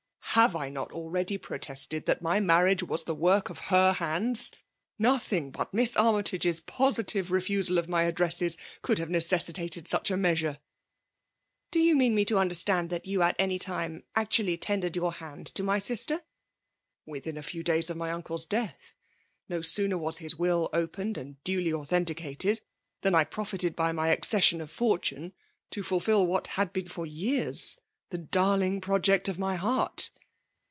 " Have I not already protested that my VOL. III. K 194 FBMALB DOHINATION. narriage wms the work of lier handU f No tiling but Miss Armytage's positive ro&sal of xny addreAM^ could have necessitated sodi a measure !"" Do you mean me to undentaad that yoa at any time actually tendered yow hand to my sister ?" WiUun a tefw days of my uncle's death. No sooner was his will opened and duly au thenticated, than I profited by my accesiion of fortune to iulfil what had been for years the darling project of my heart."